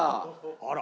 あら。